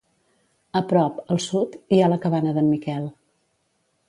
A prop, al sud, hi ha la Cabana d'en Miquel.